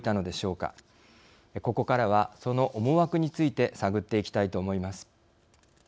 ここからはその思惑について探っていきたいと思います。